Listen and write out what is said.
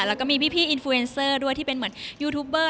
แล้วก็มีพี่อินฟูเอ็นเซอร์ด้วยที่เป็นเหมือนยูทูปเบอร์